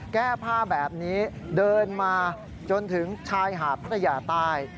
แก้ผ้าแบบนี้เดินมาจนถึงชายหาดพระยาใต้